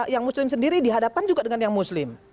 yang muslim sendiri dihadapkan juga dengan yang muslim